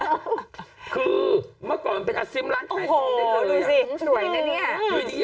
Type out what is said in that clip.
คือเมื่อก่อนเป็นอสิมร้านขายทองได้เลยโอ้โหดูสิสวยนะเนี่ย